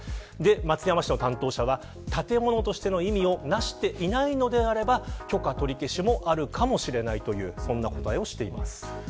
松山市の担当者は、建物としての意味をなしていないのであれば許可取り消しもあるかもしれないという答えをしています。